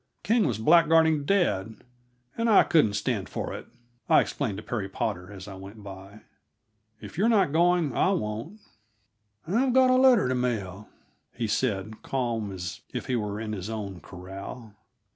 "King was blackguarding dad, and I couldn't stand for it," I explained to Perry Potter as I went by. "If you're not going, I won't." "I've got a letter to mail," he said, calm as if he were in his own corral.